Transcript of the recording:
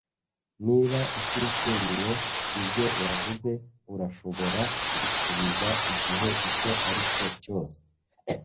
"Niba utishimiye ibyo waguze, urashobora kubisubiza igihe icyo ari cyo cyose."